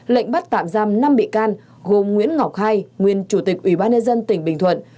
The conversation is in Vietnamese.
lệnh bắt tạm giam năm bị can gồm nguyễn ngọc hai nguyên chủ tịch ủy ban nhân dân tỉnh bình thuận